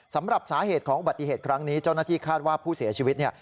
สำหรับสาเหตุของอุบัติเหตุครั้งนี้เจ้าหน้าที่คาดว่าผู้เสียชีวิตเนี่ย